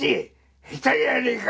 下手じゃねえか！